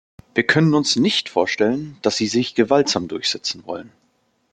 Wir können uns nicht vorstellen, dass Sie sich gewaltsam durchsetzen wollen.